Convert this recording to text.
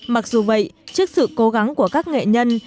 mặc dù vậy trước sự cố gắng của các nghệ nhân